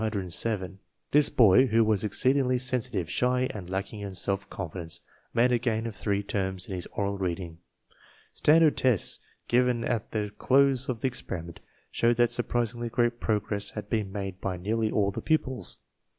This boy, who was exceedingly sensitive, shy, and lack ing in self confidence, made a gain of three terms in his oral reading. Standard tests given at the close of the experiment showed that surprisingly great progress had been made by nearly all the pupils.